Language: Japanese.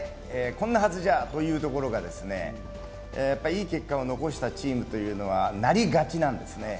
こんなじゃずじゃあというのがいい結果を残したチームというのは、なりがちなんですね。